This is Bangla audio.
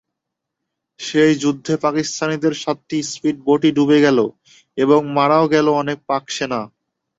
সেই যুদ্ধে পাকিস্তানিদের সাতটি স্পিডবোটই ডুবে গেল এবং মারাও গেল অনেক পাকসেনা।